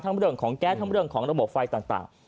เรื่องของแก๊สทั้งเรื่องของระบบไฟต่าง